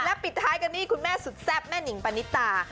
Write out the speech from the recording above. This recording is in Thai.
ปิดท้ายกันที่คุณแม่สุดแซ่บแม่นิงปณิตา